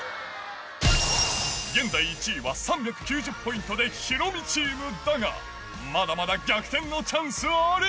現在１位は３９０ポイントでヒロミチームだが、まだまだ逆転のチャンスあり。